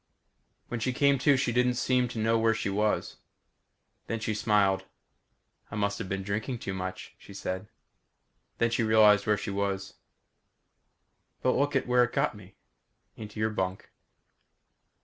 When she came to, she didn't seem to know where she was. Then she smiled. "I must have been drinking too much," she said. Then she realized where she was. "But look where it got me? Into your bunk."